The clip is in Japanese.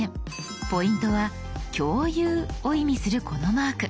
ポイントは「共有」を意味するこのマーク。